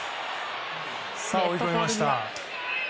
さあ、追い込みました。